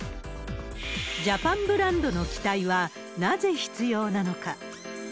ジャパンブランドの機体はなぜ必要なのか。